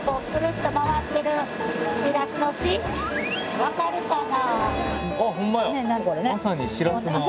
分かるかな？